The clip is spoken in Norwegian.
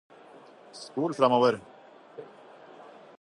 spol framover